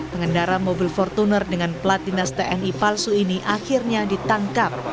pengendara mobil fortuner dengan plat dinas tni palsu ini akhirnya ditangkap